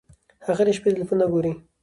هغه د شپې ټیلیفون نه ګوري.